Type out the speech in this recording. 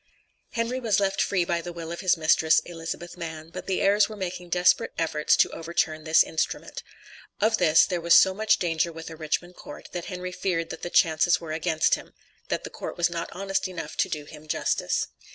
Henry was left free by the will of his mistress (Elizabeth Mann), but the heirs were making desperate efforts to overturn this instrument. Of this, there was so much danger with a Richmond court, that Henry feared that the chances were against him; that the court was not honest enough to do him justice.